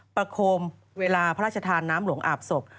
ประโคมเวลาพระราชทานน้ำหลวงอาบศพ